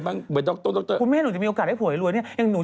ไม่ต้องปังนิดนึงช่วงนี้เขาขึ้นหน่อย